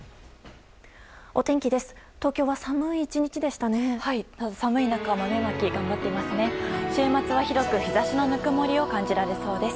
お天気です。